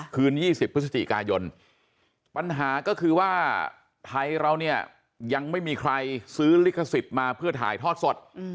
คืน๒๐พฤศจิกายนปัญหาก็คือว่าไทยเราเนี่ยยังไม่มีใครซื้อลิขสิทธิ์มาเพื่อถ่ายทอดสด